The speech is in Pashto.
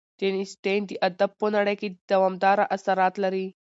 جین اسټن د ادب په نړۍ کې دوامداره اثرات لري.